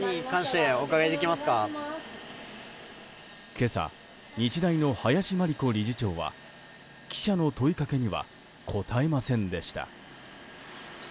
今朝、日大の林真理子理事長は記者の問いかけには答えませんでした。